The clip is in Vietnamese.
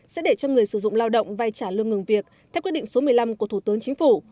sẽ để cho người sử dụng lao động vay trả lương ngừng việc theo quyết định số một mươi năm của thủ tướng chính phủ